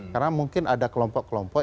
karena mungkin ada kelompok kelompok